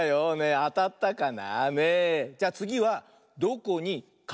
あたったかな？